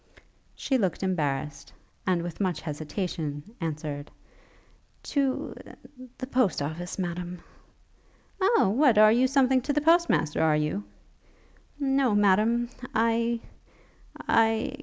She looked embarrassed, and with much hesitation, answered, 'To ... the Post office, Madam.' 'O! what, you are something to the post master, are you?' 'No, Madam ... I ... I